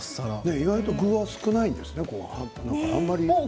意外と具は少ないんですね。